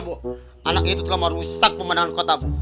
tidak bu anaknya itu telah mau rusak pemenang kota bu